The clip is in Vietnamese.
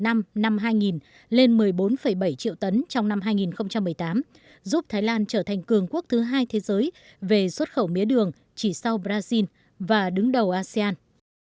năm hai nghìn lên một mươi bốn bảy triệu tấn trong năm hai nghìn một mươi tám giúp thái lan trở thành cường quốc thứ hai thế giới về xuất khẩu mía đường chỉ sau brazil và đứng đầu asean